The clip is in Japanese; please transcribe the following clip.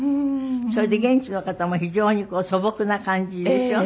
それで現地の方も非常に素朴な感じでしょ？